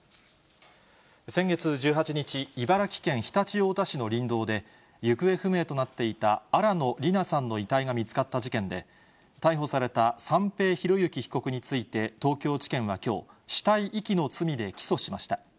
先月１８日、茨城県常陸太田市の林道で、行方不明となっていた新野りなさんの遺体が見つかった事件で、逮捕された三瓶博幸被告について東京地検はきょう、死体遺棄の罪で起訴しました。